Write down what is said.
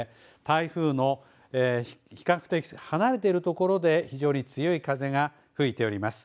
台風の比較的離れているところで非常に強い風が吹いております。